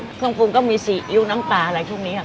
เครื่องปรุงก็มีซีอิ๊วน้ำปลาอะไรพวกนี้ค่ะ